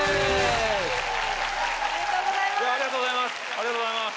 おめでとうございます。